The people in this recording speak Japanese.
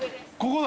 ここ？